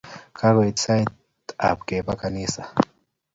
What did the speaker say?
Kakoit sait ap kepa kanisa